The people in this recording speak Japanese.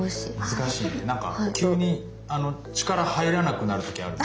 なんか急に力入らなくなる時あるの。